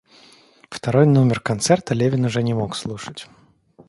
Второй нумер концерта Левин уже не мог слушать.